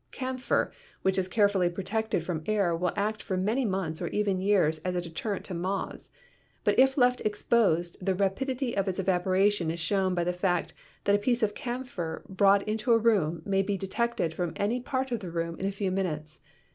Camphor which is carefully protected from air will act for many months or even years as a deterrent to moths, but if left exposed the rapidity of its evaporation is shown by the fact that a piece of camphor brought into a room may be detected from any part of the room in a few minutes.